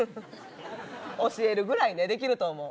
教えるぐらいねできると思う。